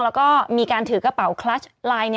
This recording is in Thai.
แล้วก็มีการถือกระเป๋าคลัชไลน์